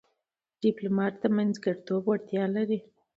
ډيپلومات د منځګړیتوب وړتیا لري.